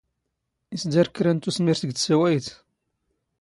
ⵉⵙ ⴷⴰⵔⴽ ⴽⵔⴰ ⵏ ⵜⵓⵙⵎⵉⵔⵜ ⴳ ⵜⵙⴰⵡⴰⵢⵜ?